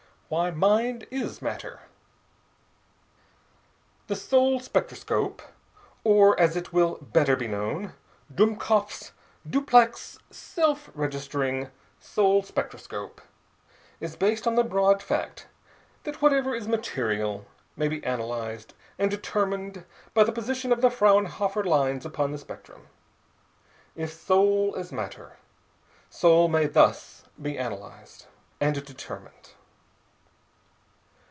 Why, mind is matter. "The soul spectroscope, or, as it will better be known, Dummkopf's duplex self registering soul spectroscope, is based on the broad fact that whatever is material may be analyzed and determined by the position of the Frauenhofer lines upon the spectrum. If soul is matter, soul may thus be analyzed and determined.